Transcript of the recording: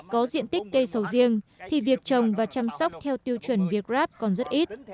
có diện tích cây sầu riêng thì việc trồng và chăm sóc theo tiêu chuẩn việt grab còn rất ít